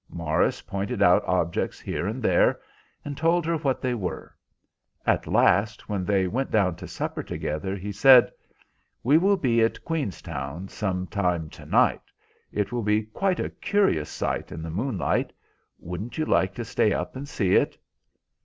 Morris pointed out objects here and there, and told her what they were. At last, when they went down to supper together, he said— "We will be at Queenstown some time to night. It will be quite a curious sight in the moonlight. Wouldn't you like to stay up and see it?"